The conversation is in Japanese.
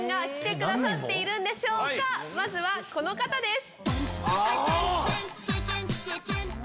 まずはこの方です。